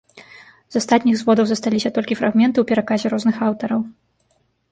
З астатніх зводаў засталіся толькі фрагменты ў пераказе розных аўтараў.